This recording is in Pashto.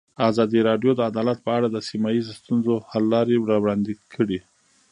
ازادي راډیو د عدالت په اړه د سیمه ییزو ستونزو حل لارې راوړاندې کړې.